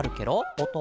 おと。